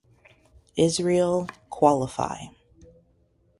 Israel qualify.